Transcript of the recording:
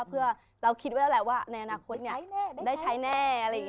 เพราะเราคิดไว้ว่าในอนาคตได้ใช้แน่